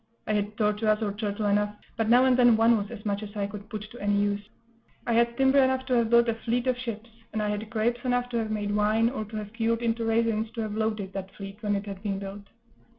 I had tortoise or turtle enough, but now and then one was as much as I could put to any use; I had timber enough to have built a fleet of ships; and I had grapes enough to have made wine, or to have cured into raisins, to have loaded that fleet when it had been built.